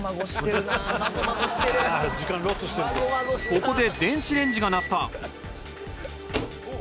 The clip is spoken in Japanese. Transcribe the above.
ここで電子レンジが鳴った